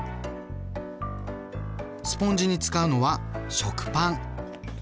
スポンジに使うのは食パン。